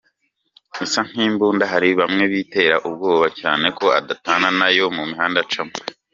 isa nkimbunda hari bamwe bitera ubwoba cyane ko adatana nayo mu mihanda acamo.